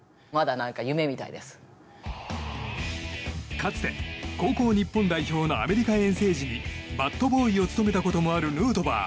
かつて高校日本代表のアメリカ遠征時にバットボーイを務めたこともあるヌートバー。